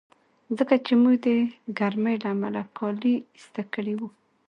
ځکه چې موږ به د ګرمۍ له امله کالي ایسته کړي وي.